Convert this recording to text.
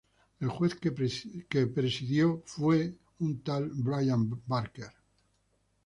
El juez que presidió fue Su Señoría Brian Barker.